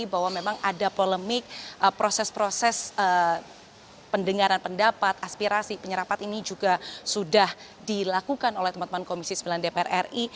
bahwa memang ada polemik proses proses pendengaran pendapat aspirasi penyerapan ini juga sudah dilakukan oleh teman teman komisi sembilan dpr ri